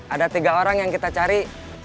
ada tiga orang yang kita cari